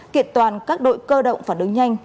kiệt toàn các đội cơ động phản ứng nhanh